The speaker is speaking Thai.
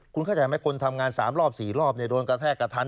คุณเข้าใจไหมคนทำงาน๓รอบ๔รอบโดนกระแทกกระทัน